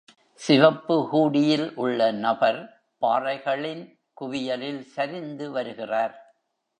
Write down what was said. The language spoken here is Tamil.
சிவப்பு ஹூடியில் உள்ள நபர் பாறைகளின் குவியலில் சரிந்து வருகிறார்.